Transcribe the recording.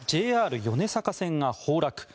ＪＲ米坂線が崩落。